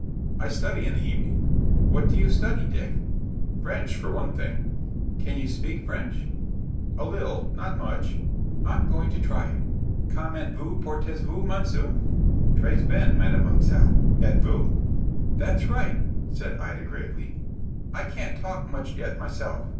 "I study in the evening." "What do you study, Dick?" "French, for one thing." "Can you speak French?" "A little. Not much." "I'm going to try you 'Comment vous portez vous, monsieur?'" "'Très bien, mademoiselle. Et vous?'" "That's right," said Ida, gravely. "I can't talk much yet myself.